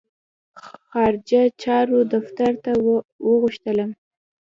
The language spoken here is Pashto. خارجه چارو دفتر ته وغوښتلم.